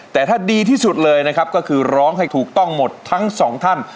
แต่ถ้าดีที่สุดเลยนะครับก็คือร้องให้ถูกต้องหมดทั้งสองท่าน